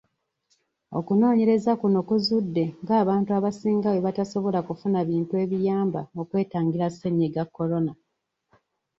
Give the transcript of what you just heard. Okunoonyereza kuno kuzudde ng'abantu abasinga bwe tebasobola kufuna bintu ebiyamba okwetangira Ssennyiga Corona.